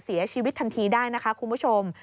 เสียชีวิตทันทีได้นะคะคุณผู้ชม